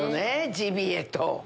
ジビエと。